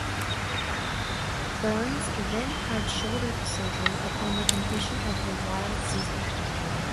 Burns then had shoulder surgery upon the completion of the Wild season.